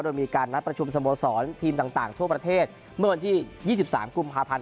โดยมีการนัดประชุมสโมสรทีมต่างทั่วประเทศเมื่อวันที่๒๓กุมภาพันธ์